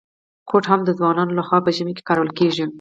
کوټ هم د ځوانانو لخوا په ژمي کي کارول کیږي.